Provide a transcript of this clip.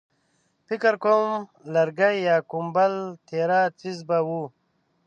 فکر کوم لرګی يا کوم بل تېره څيز به و.